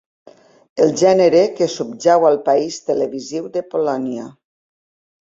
El gènere que subjau al país televisiu de Polònia.